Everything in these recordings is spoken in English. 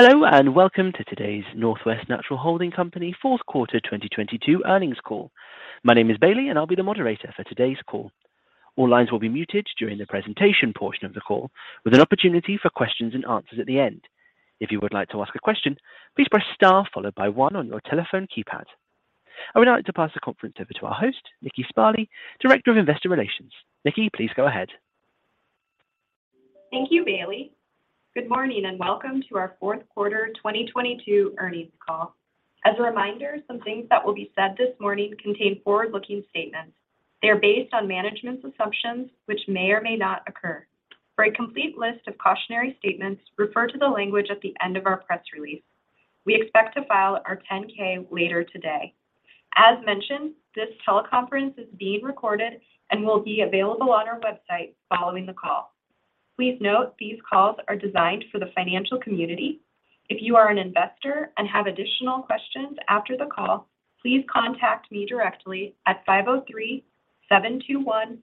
Hello, and welcome to today's Northwest Natural Holding Company fourth quarter 2022 earnings call. My name is Bailey, and I'll be the moderator for today's call. All lines will be muted during the presentation portion of the call, with an opportunity for questions and answers at the end. If you would like to ask a question, please press star followed by one on your telephone keypad. I would like to pass the conference over to our host, Nikki Sparley, Director of Investor Relations. Nikki, please go ahead. Thank you, Bailey. Good morning, welcome to our fourth quarter 2022 earnings call. As a reminder, some things that will be said this morning contain forward-looking statements. They are based on management's assumptions which may or may not occur. For a complete list of cautionary statements, refer to the language at the end of our press release. We expect to file our 10-K later today. This teleconference is being recorded and will be available on our website following the call. Please note these calls are designed for the financial community. If you are an investor and have additional questions after the call, please contact me directly at 503-721-2530.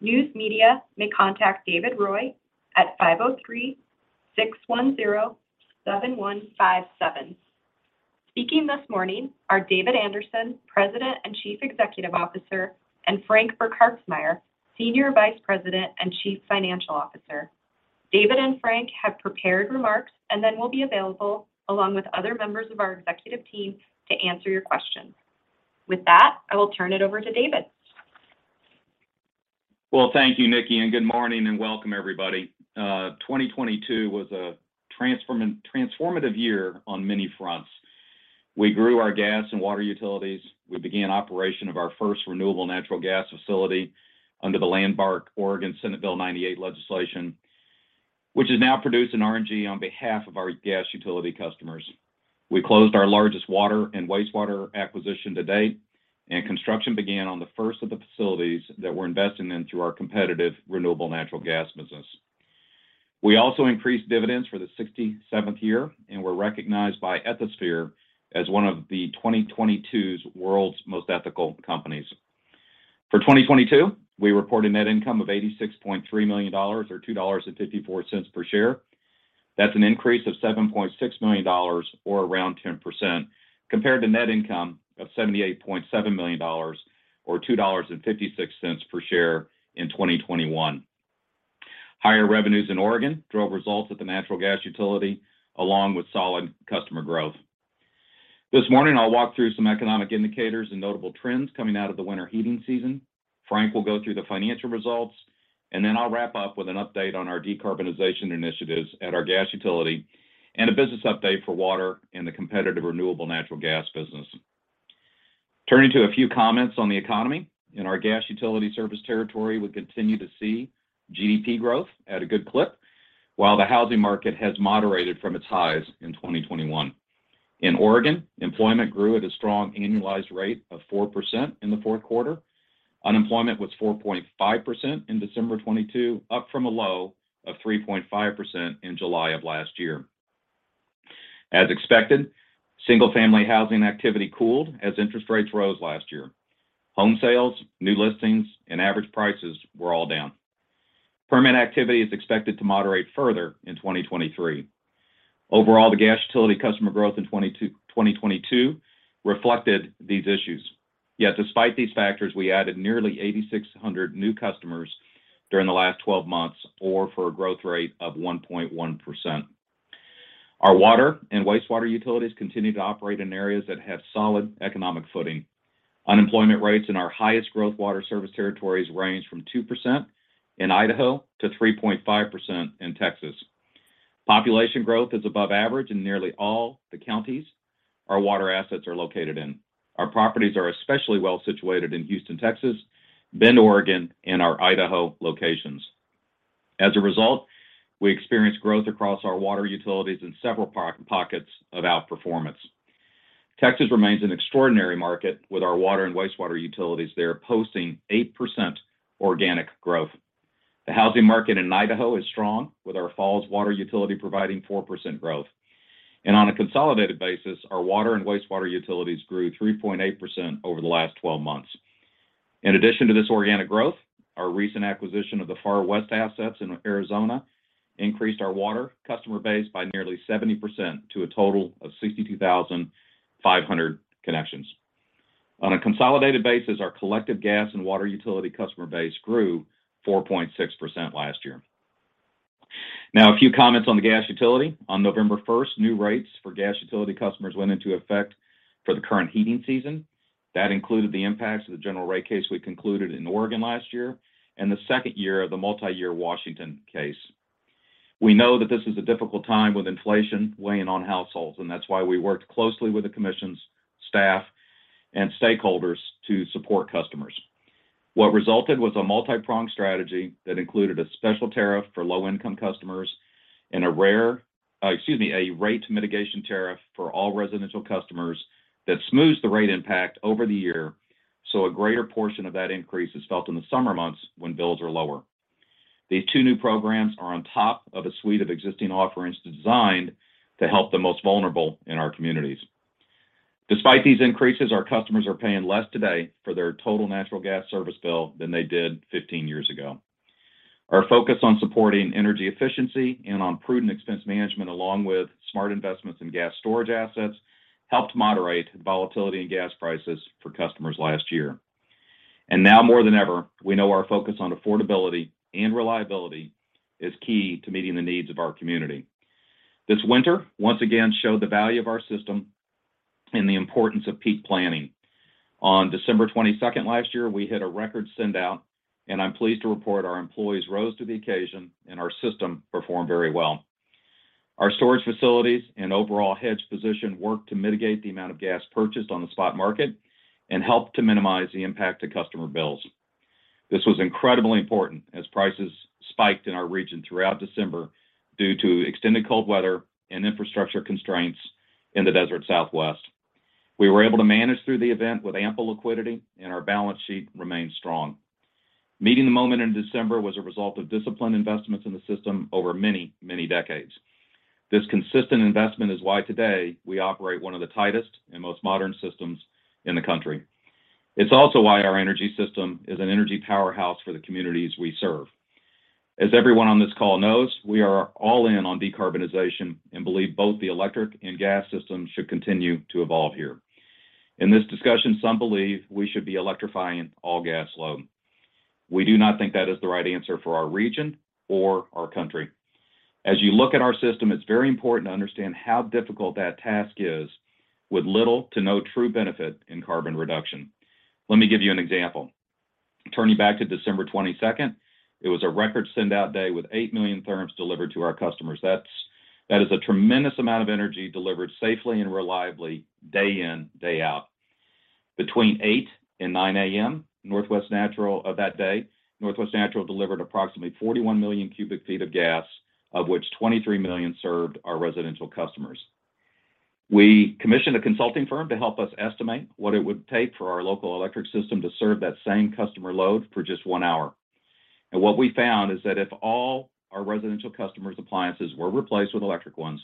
News media may contact David Roy at 503-610-7157. Speaking this morning are David Anderson, President and Chief Executive Officer, and Frank Burkhartsmeyer, Senior Vice President and Chief Financial Officer. David and Frank have prepared remarks and then will be available along with other members of our executive team to answer your questions. With that, I will turn it over to David. Thank you, Nikki, good morning and welcome everybody. 2022 was a transformative year on many fronts. We grew our gas and water utilities. We began operation of our first renewable natural gas facility under the landmark Oregon Senate Bill 98 legislation, which is now producing RNG on behalf of our gas utility customers. We closed our largest water and wastewater acquisition to date, construction began on the first of the facilities that we're investing in through our competitive renewable natural gas business. We also increased dividends for the 67th year and were recognized by Ethisphere as one of the 2022's World's Most Ethical Companies. For 2022, we reported net income of $86.3 million or $2.54 per share. That's an increase of $7.6 million or around 10% compared to net income of $78.7 million or $2.56 per share in 2021. Higher revenues in Oregon drove results at the natural gas utility along with solid customer growth. This morning I'll walk through some economic indicators and notable trends coming out of the winter heating season. Frank will go through the financial results, and then I'll wrap up with an update on our decarbonization initiatives at our gas utility and a business update for water and the competitive renewable natural gas business. Turning to a few comments on the economy. In our gas utility service territory, we continue to see GDP growth at a good clip while the housing market has moderated from its highs in 2021. In Oregon, employment grew at a strong annualized rate of 4% in the fourth quarter. Unemployment was 4.5% in December 2022, up from a low of 3.5% in July of last year. As expected, single-family housing activity cooled as interest rates rose last year. Home sales, new listings, and average prices were all down. Permit activity is expected to moderate further in 2023. Overall, the gas utility customer growth in 2022 reflected these issues. Despite these factors, we added nearly 8,600 new customers during the last 12 months or for a growth rate of 1.1%. Our water and wastewater utilities continue to operate in areas that have solid economic footing. Unemployment rates in our highest growth water service territories range from 2% in Idaho to 3.5% in Texas. Population growth is above average in nearly all the counties our water assets are located in. Our properties are especially well-situated in Houston, Texas, Bend, Oregon, and our Idaho locations. As a result, we experienced growth across our water utilities in several pock-pockets of outperformance. Texas remains an extraordinary market with our water and wastewater utilities there posting 8% organic growth. The housing market in Idaho is strong, with our Falls Water utility providing 4% growth. On a consolidated basis, our water and wastewater utilities grew 3.8% over the last 12 months. In addition to this organic growth, our recent acquisition of the Far West assets in Arizona increased our water customer base by nearly 70% to a total of 62,500 connections. On a consolidated basis, our collective gas and water utility customer base grew 4.6% last year. A few comments on the gas utility. On November 1st, new rates for gas utility customers went into effect for the current heating season. That included the impacts of the general rate case we concluded in Oregon last year and the second year of the multi-year Washington case. We know that this is a difficult time with inflation weighing on households, and that's why we worked closely with the commission's staff and stakeholders to support customers. What resulted was a multi-pronged strategy that included a special tariff for low-income customers and a rate mitigation tariff for all residential customers that smooths the rate impact over the year, so a greater portion of that increase is felt in the summer months when bills are lower. These two new programs are on top of a suite of existing offerings designed to help the most vulnerable in our communities. Despite these increases, our customers are paying less today for their total natural gas service bill than they did 15 years ago. Our focus on supporting energy efficiency and on prudent expense management, along with smart investments in gas storage assets, helped moderate volatility in gas prices for customers last year. Now more than ever, we know our focus on affordability and reliability is key to meeting the needs of our community. This winter once again showed the value of our system and the importance of peak planning. On December 22nd last year, we hit a record sendout, and I'm pleased to report our employees rose to the occasion and our system performed very well. Our storage facilities and overall hedge position worked to mitigate the amount of gas purchased on the spot market and helped to minimize the impact to customer bills. This was incredibly important as prices spiked in our region throughout December due to extended cold weather and infrastructure constraints in the desert Southwest. We were able to manage through the event with ample liquidity, and our balance sheet remained strong. Meeting the moment in December was a result of disciplined investments in the system over many, many decades. This consistent investment is why today we operate one of the tightest and most modern systems in the country. It's also why our energy system is an energy powerhouse for the communities we serve. As everyone on this call knows, we are all in on decarbonization and believe both the electric and gas system should continue to evolve here. In this discussion, some believe we should be electrifying all gas load. We do not think that is the right answer for our region or our country. As you look at our system, it's very important to understand how difficult that task is with little to no true benefit in carbon reduction. Let me give you an example. Turning back to December 22nd, it was a record sendout day with 8 million therms delivered to our customers. That is a tremendous amount of energy delivered safely and reliably day in, day out. Between 8:00 A.M. and 9:00 A.M., Northwest Natural of that day, Northwest Natural delivered approximately 41 million cu ft of gas, of which 23 million served our residential customers. We commissioned a consulting firm to help us estimate what it would take for our local electric system to serve that same customer load for just 1 hour. What we found is that if all our residential customers' appliances were replaced with electric ones,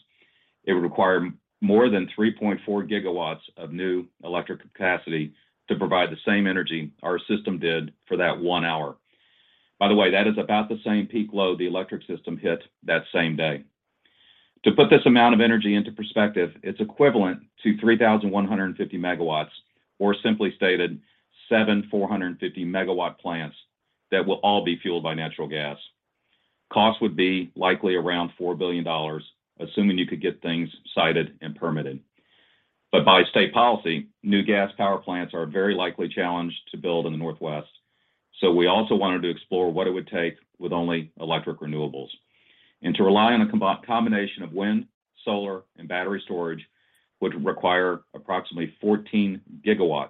it would require more than 3.4 GW of new electric capacity to provide the same energy our system did for that 1 hour. By the way, that is about the same peak load the electric system hit that same day. To put this amount of energy into perspective, it's equivalent to 3,150 MW, or simply stated, 7 450 MW plants that will all be fueled by natural gas. Cost would be likely around $4 billion, assuming you could get things sited and permitted. By state policy, new gas power plants are very likely challenged to build in the Northwest, so we also wanted to explore what it would take with only electric renewables. To rely on a combination of wind, solar, and battery storage would require approximately 14 GW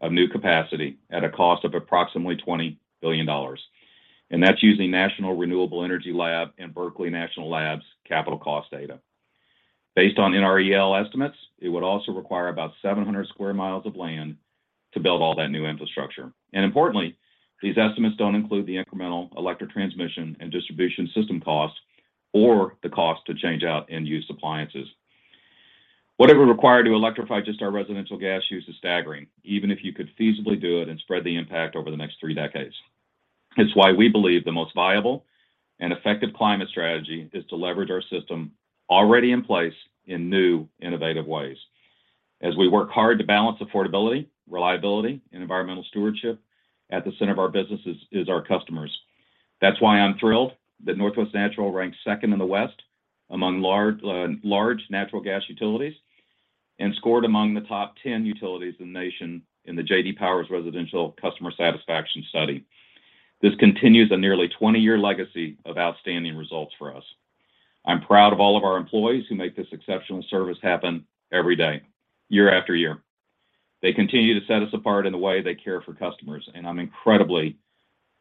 of new capacity at a cost of approximately $20 billion. That's using National Renewable Energy Laboratory and Berkeley National Labs capital cost data. Based on NREL estimates, it would also require about 700 sq mi of land to build all that new infrastructure. Importantly, these estimates don't include the incremental electric transmission and distribution system costs or the cost to change out end-use appliances. What it would require to electrify just our residential gas use is staggering, even if you could feasibly do it and spread the impact over the next three decades. It's why we believe the most viable and effective climate strategy is to leverage our system already in place in new, innovative ways. As we work hard to balance affordability, reliability, and environmental stewardship, at the center of our businesses is our customers. That's why I'm thrilled that Northwest Natural ranks second in the West among large natural gas utilities and scored among the top 10 utilities in the nation in the J.D. Power's Residential Customer Satisfaction Study. This continues a nearly 20-year legacy of outstanding results for us. I'm proud of all of our employees who make this exceptional service happen every day, year after year. They continue to set us apart in the way they care for customers, and I'm incredibly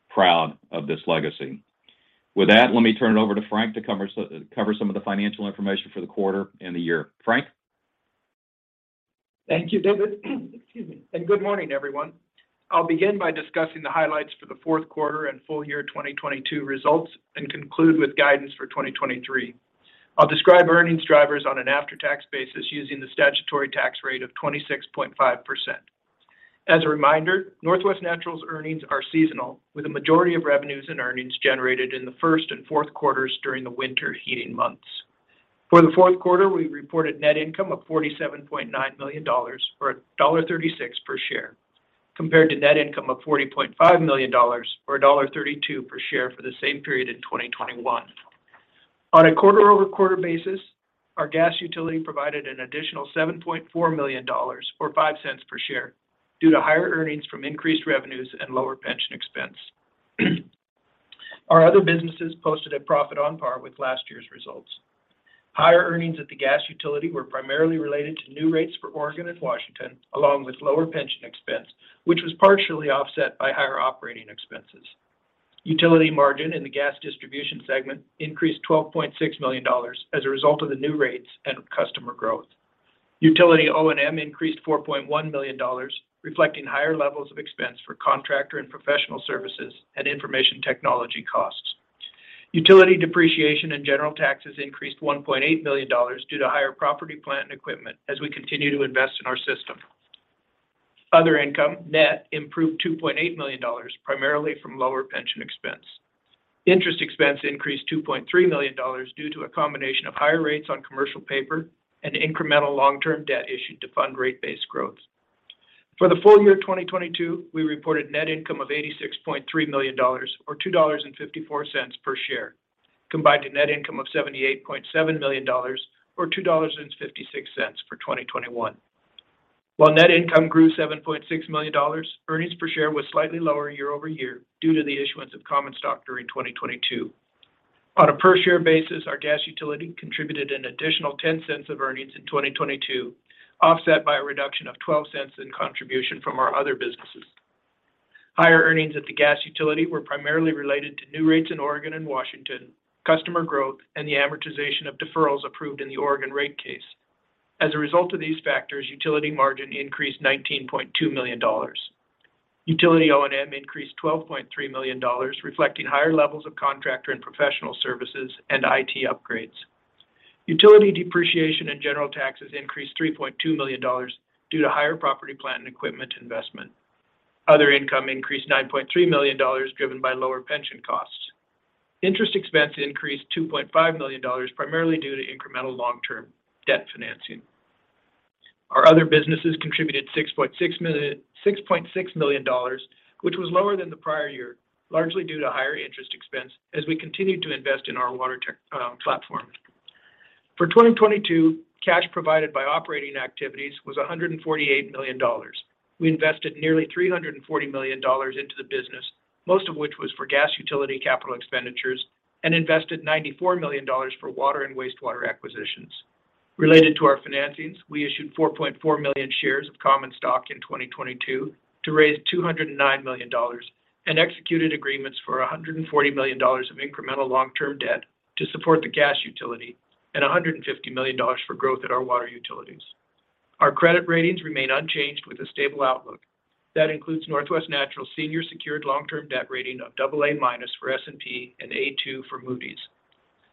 proud of this legacy. With that, let me turn it over to Frank to cover some of the financial information for the quarter and the year. Frank? Thank you, David. Excuse me. Good morning, everyone. I'll begin by discussing the highlights for the fourth quarter and full year 2022 results and conclude with guidance for 2023. I'll describe earnings drivers on an after-tax basis using the statutory tax rate of 26.5%. As a reminder, Northwest Natural's earnings are seasonal, with the majority of revenues and earnings generated in the first and fourth quarters during the winter heating months. For the fourth quarter, we reported net income of $47.9 million, or $1.36 per share, compared to net income of $40.5 million or $1.32 per share for the same period in 2021. On a quarter-over-quarter basis, our gas utility provided an additional $7.4 million or $0.05 per share due to higher earnings from increased revenues and lower pension expense. Our other businesses posted a profit on par with last year's results. Higher earnings at the gas utility were primarily related to new rates for Oregon and Washington, along with lower pension expense, which was partially offset by higher operating expenses. Utility margin in the gas distribution segment increased $12.6 million as a result of the new rates and customer growth. Utility O&M increased $4.1 million, reflecting higher levels of expense for contractor and professional services and information technology costs. Utility depreciation and general taxes increased $1.8 million due to higher property plant and equipment as we continue to invest in our system. Other income net improved $2.8 million, primarily from lower pension expense. Interest expense increased $2.3 million due to a combination of higher rates on commercial paper and incremental long-term debt issued to fund rate base growth. For the full year 2022, we reported net income of $86.3 million or $2.54 per share, combined to net income of $78.7 million or $2.56 for 2021. While net income grew $7.6 million, earnings per share was slightly lower year-over-year due to the issuance of common stock during 2022. On a per-share basis, our gas utility contributed an additional $0.10 of earnings in 2022, offset by a reduction of $0.12 in contribution from our other businesses. Higher earnings at the gas utility were primarily related to new rates in Oregon and Washington, customer growth, and the amortization of deferrals approved in the Oregon rate case. As a result of these factors, utility margin increased $19.2 million. Utility O&M increased $12.3 million, reflecting higher levels of contractor and professional services and IT upgrades. Utility depreciation and general taxes increased $3.2 million due to higher property, plant, and equipment investment. Other income increased $9.3 million, driven by lower pension costs. Interest expense increased $2.5 million, primarily due to incremental long-term debt financing. Our other businesses contributed $6.6 million, which was lower than the prior year, largely due to higher interest expense as we continued to invest in our water tech platform. For 2022, cash provided by operating activities was $148 million. We invested nearly $340 million into the business, most of which was for gas utility CapEx, and invested $94 million for water and wastewater acquisitions. Related to our financings, we issued 4.4 million shares of common stock in 2022 to raise $209 million and executed agreements for $140 million of incremental long-term debt to support the gas utility and $150 million for growth at our water utilities. Our credit ratings remain unchanged with a stable outlook. That includes Northwest Natural's senior secured long-term debt rating of AA- for S&P and A2 for Moody's.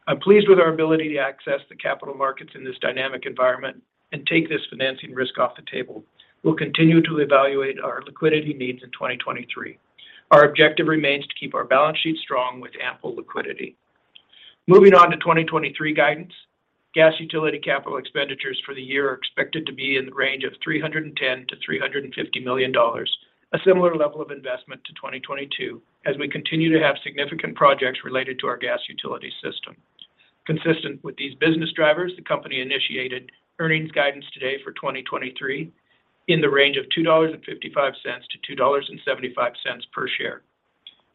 I'm pleased with our ability to access the capital markets in this dynamic environment and take this financing risk off the table. We'll continue to evaluate our liquidity needs in 2023. Our objective remains to keep our balance sheet strong with ample liquidity. Moving on to 2023 guidance. Gas utility capital expenditures for the year are expected to be in the range of $310 million-$350 million, a similar level of investment to 2022 as we continue to have significant projects related to our gas utility system. Consistent with these business drivers, the company initiated earnings guidance today for 2023 in the range of $2.55-$2.75 per share.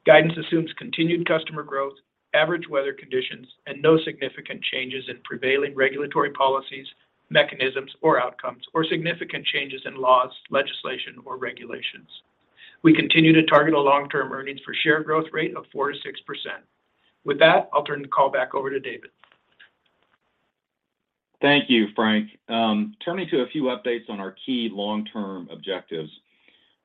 Guidance assumes continued customer growth, average weather conditions, and no significant changes in prevailing regulatory policies, mechanisms, or outcomes, or significant changes in laws, legislation, or regulations. We continue to target a long-term earnings per share growth rate of 4%-6%. With that, I'll turn the call back over to David. Thank you, Frank. Turning to a few updates on our key long-term objectives.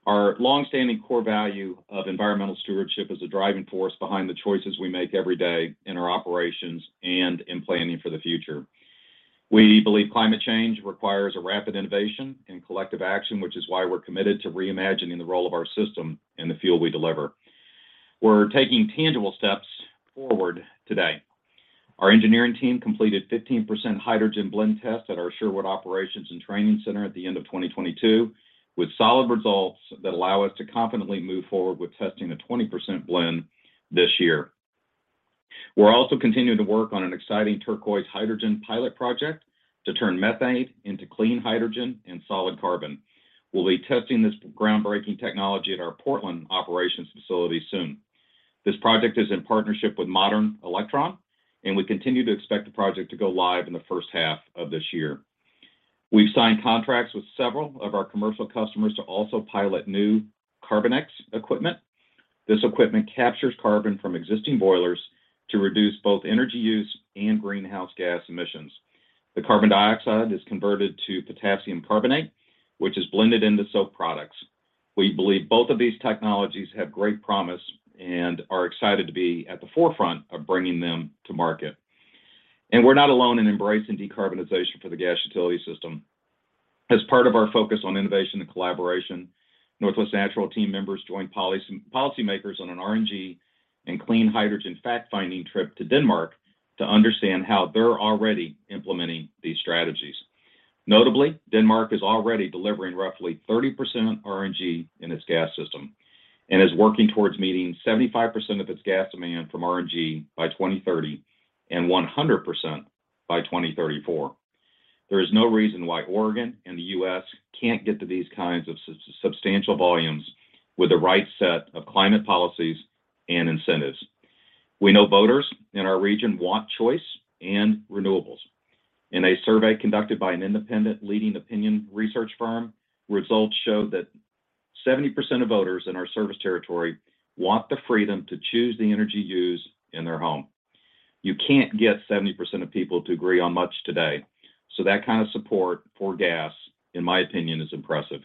Our long-standing core value of environmental stewardship is the driving force behind the choices we make every day in our operations and in planning for the future. We believe climate change requires a rapid innovation and collective action, which is why we're committed to reimagining the role of our system and the fuel we deliver. We're taking tangible steps forward today. Our engineering team completed 15% hydrogen blend tests at our Sherwood Operations and Training Center at the end of 2022, with solid results that allow us to confidently move forward with testing a 20% blend this year. We're also continuing to work on an exciting turquoise hydrogen pilot project to turn methane into clean hydrogen and solid carbon. We'll be testing this groundbreaking technology at our Portland operations facility soon. This project is in partnership with Modern Electron. We continue to expect the project to go live in the first half of this year. We've signed contracts with several of our commercial customers to also pilot new CarbinX equipment. This equipment captures carbon from existing boilers to reduce both energy use and greenhouse gas emissions. The carbon dioxide is converted to potassium carbonate, which is blended into soap products. We believe both of these technologies have great promise and are excited to be at the forefront of bringing them to market. We're not alone in embracing decarbonization for the gas utility system. As part of our focus on innovation and collaboration, Northwest Natural team members joined policymakers on an RNG and clean hydrogen fact-finding trip to Denmark to understand how they're already implementing these strategies. Notably, Denmark is already delivering roughly 30% RNG in its gas system and is working towards meeting 75% of its gas demand from RNG by 2030 and 100% by 2034. There is no reason why Oregon and the U.S. can't get to these kinds of substantial volumes with the right set of climate policies and incentives. We know voters in our region want choice and renewables. In a survey conducted by an independent leading opinion research firm, results showed that 70% of voters in our service territory want the freedom to choose the energy used in their home. You can't get 70% of people to agree on much today. That kind of support for gas, in my opinion, is impressive.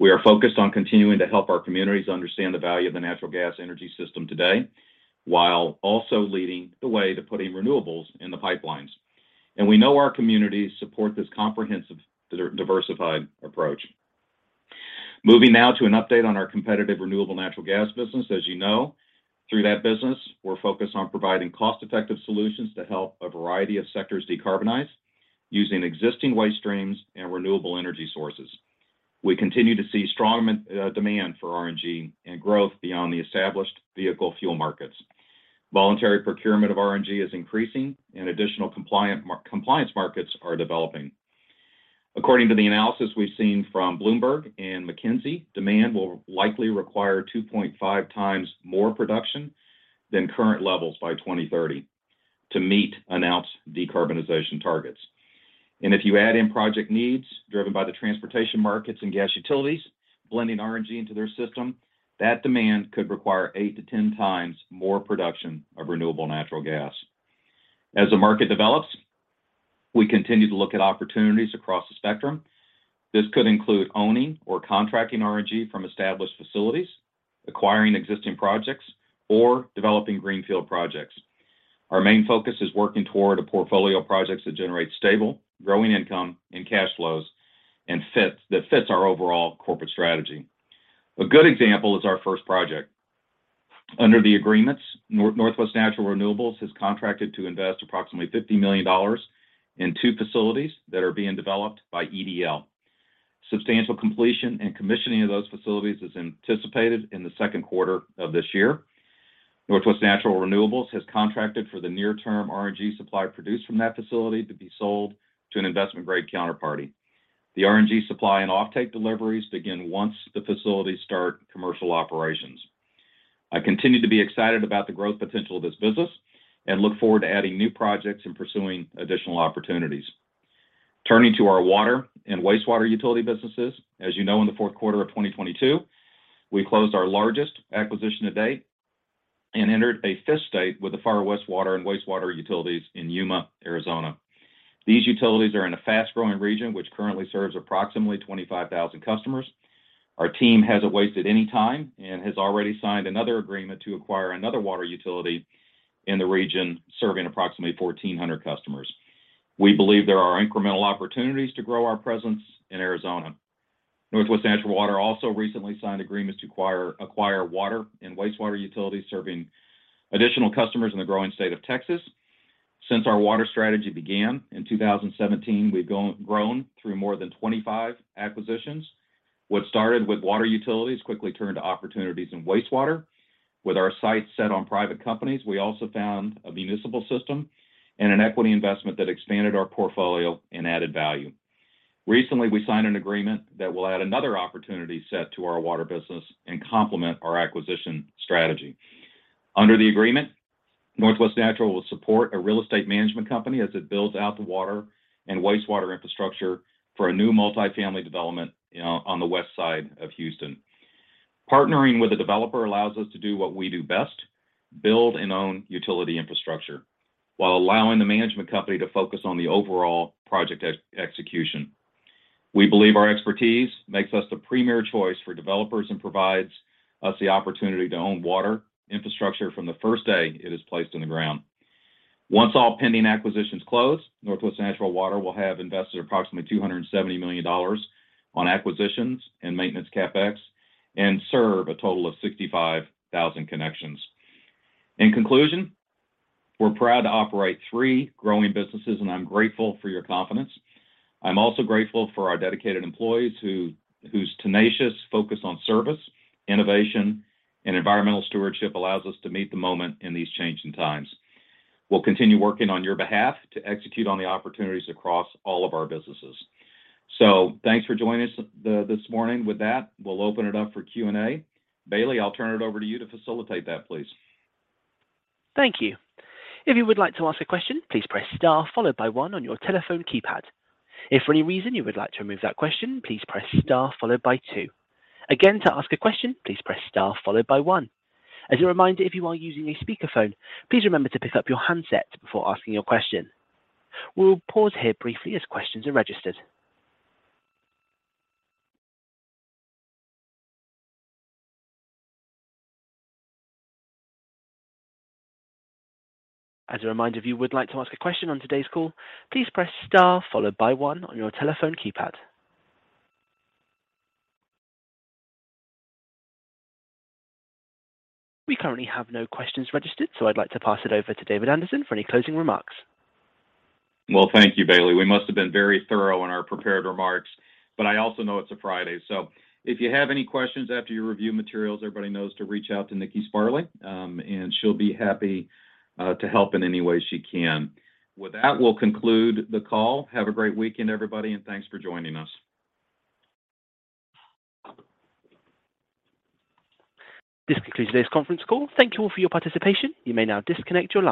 We are focused on continuing to help our communities understand the value of the natural gas energy system today, while also leading the way to putting renewables in the pipelines. We know our communities support this comprehensive diversified approach. Moving now to an update on our competitive renewable natural gas business. As you know, through that business, we're focused on providing cost-effective solutions to help a variety of sectors decarbonize using existing waste streams and renewable energy sources. We continue to see strong demand for RNG and growth beyond the established vehicle fuel markets. Voluntary procurement of RNG is increasing and additional compliant compliance markets are developing. According to the analysis we've seen from Bloomberg and McKinsey, demand will likely require 2.5x more production than current levels by 2030 to meet announced decarbonization targets. If you add in project needs driven by the transportation markets and gas utilities blending RNG into their system, that demand could require 8x-10x more production of renewable natural gas. As the market develops, we continue to look at opportunities across the spectrum. This could include owning or contracting RNG from established facilities, acquiring existing projects, or developing greenfield projects. Our main focus is working toward a portfolio of projects that generate stable, growing income and cash flows that fits our overall corporate strategy. A good example is our first project. Under the agreements, NW Natural Renewables has contracted to invest approximately $50 million in two facilities that are being developed by EDL. Substantial completion and commissioning of those facilities is anticipated in the second quarter of this year. NW Natural Renewables has contracted for the near-term RNG supply produced from that facility to be sold to an investment-grade counterparty. The RNG supply and offtake deliveries begin once the facilities start commercial operations. I continue to be excited about the growth potential of this business and look forward to adding new projects and pursuing additional opportunities. Turning to our water and wastewater utility businesses. As you know, in the fourth quarter of 2022, we closed our largest acquisition to date and entered a fifth state with the Far West water and wastewater utilities in Yuma, Arizona. These utilities are in a fast-growing region which currently serves approximately 25,000 customers. Our team hasn't wasted any time and has already signed another agreement to acquire another water utility in the region, serving approximately 1,400 customers. We believe there are incremental opportunities to grow our presence in Arizona. Northwest Natural Water also recently signed agreements to acquire water and wastewater utilities serving additional customers in the growing state of Texas. Since our water strategy began in 2017, we've grown through more than 25 acquisitions. What started with water utilities quickly turned to opportunities in wastewater. With our sights set on private companies, we also found a municipal system and an equity investment that expanded our portfolio and added value. Recently, we signed an agreement that will add another opportunity set to our water business and complement our acquisition strategy. Under the agreement, Northwest Natural will support a real estate management company as it builds out the water and wastewater infrastructure for a new multi-family development, you know, on the west side of Houston. Partnering with a developer allows us to do what we do best, build and own utility infrastructure, while allowing the management company to focus on the overall project execution. We believe our expertise makes us the premier choice for developers and provides us the opportunity to own water infrastructure from the first day it is placed in the ground. Once all pending acquisitions close, Northwest Natural Water will have invested approximately $270 million on acquisitions and maintenance CapEx and serve a total of 65,000 connections. In conclusion, we're proud to operate three growing businesses. I'm grateful for your confidence. I'm also grateful for our dedicated employees who, whose tenacious focus on service, innovation, and environmental stewardship allows us to meet the moment in these changing times. We'll continue working on your behalf to execute on the opportunities across all of our businesses. Thanks for joining us this morning. With that, we'll open it up for Q&A. Bailey, I'll turn it over to you to facilitate that, please. Thank you. If you would like to ask a question, please press star followed by one on your telephone keypad. If for any reason you would like to remove that question, please press star followed by two. Again, to ask a question, please press star followed by one. As a reminder, if you are using a speakerphone, please remember to pick up your handset before asking your question. We'll pause here briefly as questions are registered. As a reminder, if you would like to ask a question on today's call, please press star followed by one on your telephone keypad. We currently have no questions registered, so I'd like to pass it over to David Anderson for any closing remarks. Well, thank you, Bailey. We must have been very thorough in our prepared remarks, but I also know it's a Friday. If you have any questions after you review materials, everybody knows to reach out to Nikki Sparley, and she'll be happy to help in any way she can. With that, we'll conclude the call. Have a great weekend, everybody, thanks for joining us. This concludes today's conference call. Thank you all for your participation. You may now disconnect your telephones.